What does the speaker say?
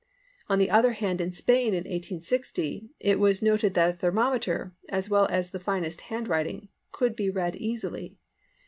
On the other hand in Spain in 1860, it was noted that a thermometer, as well as the finest hand writing, could be read easily.